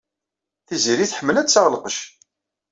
Tiziri tḥemmel ad d-taɣ lqec.